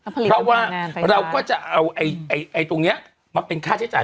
เพราะว่าเราก็จะเอาตรงนี้มาเป็นค่าใช้จ่าย